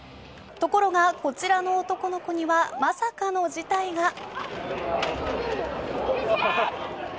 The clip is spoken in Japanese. ところがこちらの男の子にはまさかの事態が。